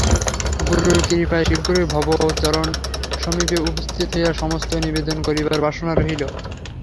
গুরুর কৃপায় শীঘ্রই ভবৎ-চরণসমীপে উপস্থিত হইয়া সমস্ত নিবেদন করিবার বাসনা রহিল।